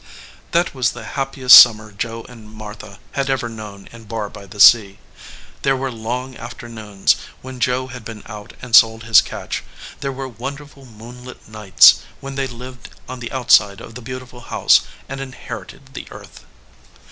That was the happiest summer Joe and Martha had ever known in Barr by the Sea. There were long afternoons, when Joe had been out and sold his catch; there were wonderful moonlit nights, when they lived on the outside of the beautiful house and inherited the earth.